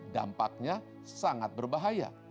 dampaknya sangat berbahaya